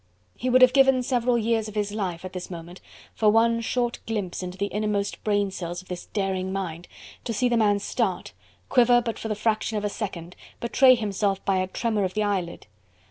He would have given several years of his life at this moment for one short glimpse into the innermost brain cells of this daring mind, to see the man start, quiver but for the fraction of a second, betray himself by a tremor of the eyelid.